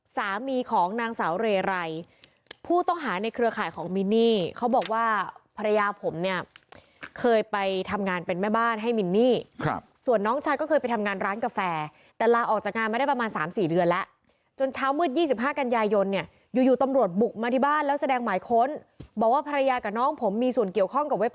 สามีของนางสาวเรไรผู้ต้องหาในเครือข่ายของมินนี่เขาบอกว่าภรรยาผมเนี่ยเคยไปทำงานเป็นแม่บ้านให้มินนี่ครับส่วนน้องชายก็เคยไปทำงานร้านกาแฟแต่ลาออกจากงานมาได้ประมาณ๓๔เดือนแล้วจนเช้ามืด๒๕กันยายนเนี่ยอยู่อยู่ตำรวจบุกมาที่บ้านแล้วแสดงหมายค้นบอกว่าภรรยากับน้องผมมีส่วนเกี่ยวข้องกับเว